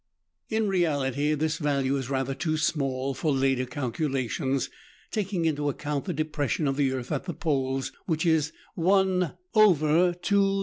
In reality, this value is rather too small, for later calculations (taking into account the depression of the earth at the poles, which is Trgi.